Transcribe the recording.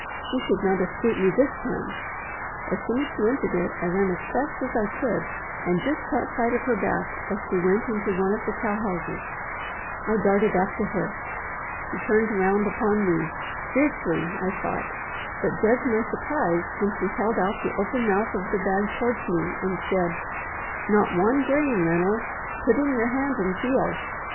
She should not escape me this time. As soon as she entered it, I ran as fast as I could, and just caught sight of her back as she went into one of the cow houses. I darted after her. She turned round upon me fiercely, I thought, but judge my surprise when she held out the open mouth of the bag towards me, and said "Not one grain, Ranald! Put in your hand and feel."